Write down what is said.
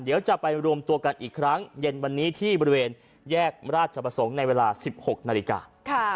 เดี๋ยวจะไปรวมตัวกันอีกครั้งเย็นวันนี้ที่บริเวณแยกราชประสงค์ในเวลา๑๖นาฬิกา